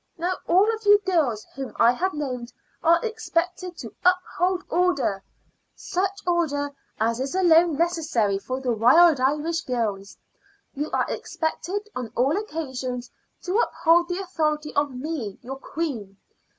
Now all of you girls whom I have named are expected to uphold order such order as is alone necessary for the Wild Irish Girls. You are expected on all occasions to uphold the authority of me, your queen.